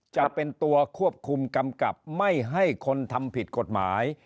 จะเป็นตัวควบคุมกำกับไม่ให้คนทำผิดกฎหมาย